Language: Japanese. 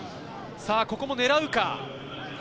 ここも狙うか？